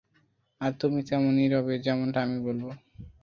আর তুমি তেমনই রবে, যেমনটা আমি বলব।